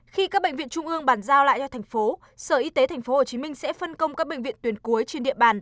khi các bệnh viện trung ương bàn giao lại cho thành phố sở y tế tp hcm sẽ phân công các bệnh viện tuyến cuối trên địa bàn